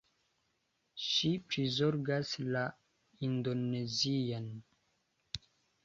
Ŝi prizorgas la Indonezian